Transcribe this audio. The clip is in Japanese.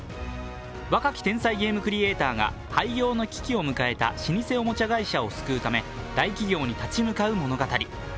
若き天才ゲームクリエイターが廃業の危機を迎えた老舗おもちゃ会社を救うため大企業に立ち向かう物語。